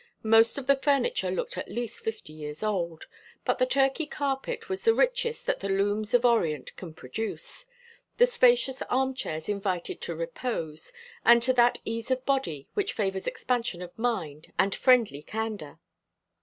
Most of the furniture looked at least fifty years old; but the Turkey carpet was the richest that the looms of Orient can produce; the spacious armchairs invited to repose, and to that ease of body which favours expansion of mind and friendly candour.